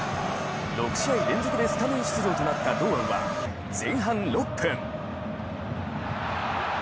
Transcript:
６試合連続でスタメン出場となった堂安は、前半６分。